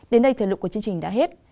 đến đây thời lục của chương trình đã hết